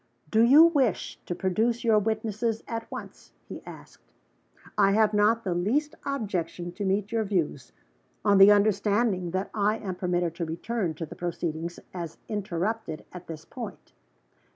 "Do you wish to produce your witnesses at once?" he asked. "I have not the least objection to meet your views on the understanding that I am permitted to return to the proceedings as interrupted at this point."